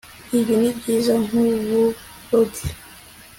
Ibi nibyiza nkuburobyi